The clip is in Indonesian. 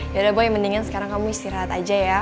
yaudah boy mendingan sekarang kamu istirahat aja ya